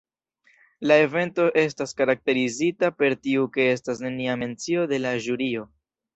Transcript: La evento estas karakterizita per tio ke estas nenia mencio de la ĵurio.